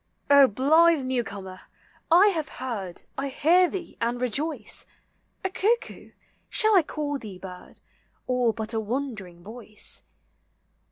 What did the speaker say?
O blithe new comer ! I have heard, I hear thee and rejoice. A cuckoo ! shall I call thee bird, Or but a wandering voice?